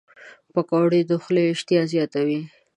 پکورې د خولې اشتها زیاتوي